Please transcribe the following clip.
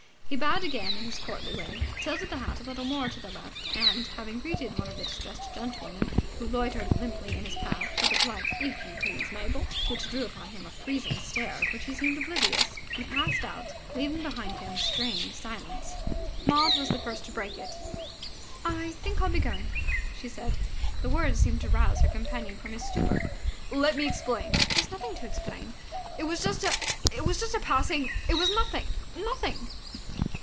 He bowed again in his courtly way, tilted the hat a little more to the left, and, having greeted one of the distressed gentlewomen who loitered limply in his path with a polite "If you please, Mabel!" which drew upon him a freezing stare of which he seemed oblivious, he passed out, leaving behind him strained silence. Maud was the first to break it. "I think I'll be going," she said. The words seemed to rouse her companion from his stupor. "Let me explain!" "There's nothing to explain." "It was just a ... it was just a passing ... It was nothing ... nothing."